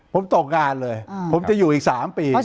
ผมตกงานเลยผมจะอยู่อีก๓ปี